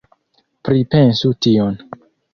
Pripensu tion!